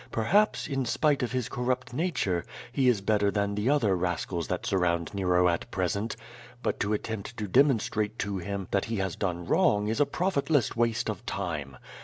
Perhaps, in spite of his corrupt nature, he is better than the other rascals that sur round Nero at present. But to attempt to demonstrate to him that he has done ^vrong is a profitless waste of time.